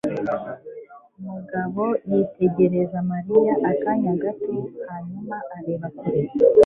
Mugabo yitegereza Mariya akanya gato hanyuma areba kure.